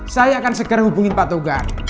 saya akan segera hubungin pak togar